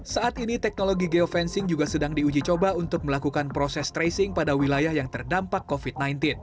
saat ini teknologi geofencing juga sedang diuji coba untuk melakukan proses tracing pada wilayah yang terdampak covid sembilan belas